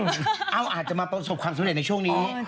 เอาอาจจะมาประสบความสำเร็จในช่วงนี้